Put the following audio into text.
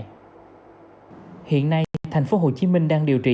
trong thời điểm hiện nay tp hcm đang điều trị